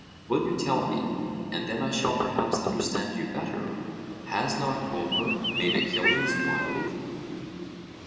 Will you tell me, and then I shall perhaps understand you better; has not Homer made Achilles wily?